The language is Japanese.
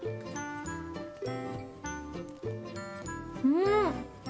うん！